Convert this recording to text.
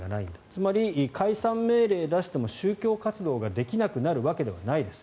つまり、解散命令を出しても宗教活動ができなくなるわけではないです。